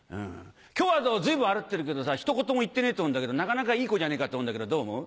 今日は随分歩ってるけどさ一言も言ってねえと思うんだけどなかなかいい子じゃねえかって思うんだけどどう思う？」。